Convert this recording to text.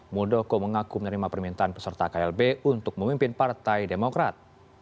muldoko mengaku menerima permintaan peserta klb untuk memimpin partai demokrat